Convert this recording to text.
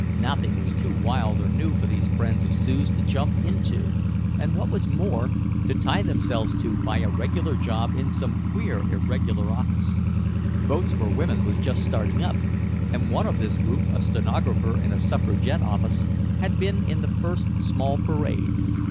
Nothing was too wild or new for these friends of Sue's to jump into and what was more, to tie themselves to by a regular job in some queer irregular office. "Votes for Women" was just starting up, and one of this group, a stenographer in a suffragette office, had been in the first small parade.